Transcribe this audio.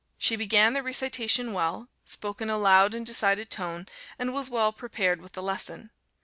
She began the recitation well, spoke in a loud and decided tone, and was well prepared with the lesson.